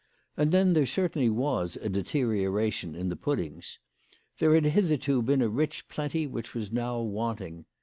And then there certainly was a deterioration in the pud dings. There had hitherto been a rich, plenty which was now wanting.